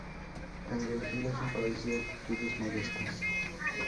El Brasil es un país de altitudes modestas.